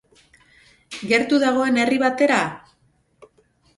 Gertu dagoen herri batera?